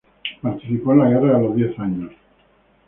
Participó en la Guerra de los Diez Años.